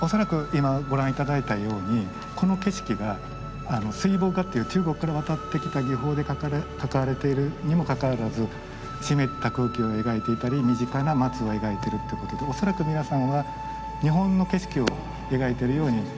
恐らく今ご覧頂いたようにこの景色が水墨画という中国から渡ってきた技法で描かれているにもかかわらず湿った空気を描いていたり身近な松を描いてるってことで恐らく皆さんは日本の景色を描いているように感じられると思うんですね。